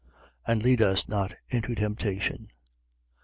And lead us not into temptation.